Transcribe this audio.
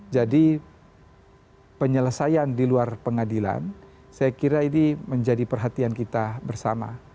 jadi penyelesaian di luar pengadilan saya kira ini menjadi perhatian kita bersama